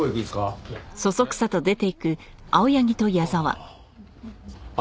ああ。